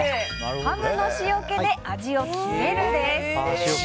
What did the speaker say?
ハムの塩気で味を決めるです。